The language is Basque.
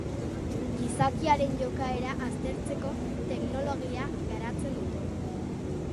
Gizakiaren jokaera aztertzeko teknologia garatzen dute.